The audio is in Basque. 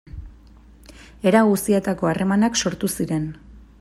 Era guztietako harremanak sortu ziren.